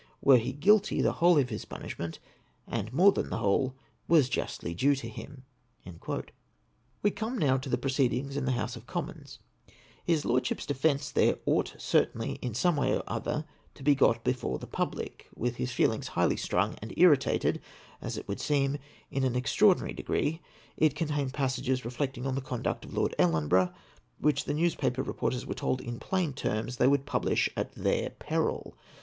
Were he guilty, the whole of his pimish ment, and more than the whole, was justly due to him." We come now to the proceedings in the House of Commons, His Lordship's defence there ought certainly, in some way or other, to be got before the public : with his feelings highly strung and irritated, as it would seem, in an extraordinary degree, it contained passages reflecting on the conduct of Lord EUenborough, which the newspaper reporters were told in plain terms they would publish at their peril.